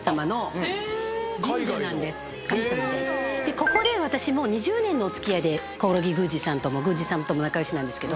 ここで私もう２０年のお付き合いで興梠宮司さんとも仲良しなんですけど。